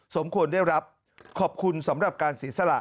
สมควรได้รับขอบคุณสำหรับการเสียสละ